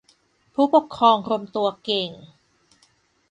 ผู้ปกครองรวมตัวเก่ง